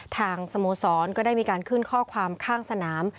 ทางสโมสรก็ได้มีการข้อความข้างสนาม